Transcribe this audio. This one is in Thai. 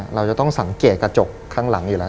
เราจะต้องสังเกตกระจกข้างหลังอยู่แล้ว